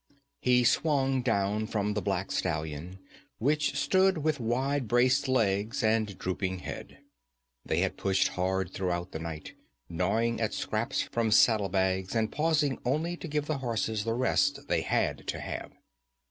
He swung down from the black stallion which stood with wide braced legs and drooping head. They had pushed hard throughout the night, gnawing at scraps from saddle bags, and pausing only to give the horses the rests they had to have.